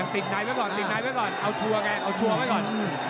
ติ๊กไนท์ไว้ก่อนติ๊กไนท์ไว้ก่อนเอาชัวร์ก่อน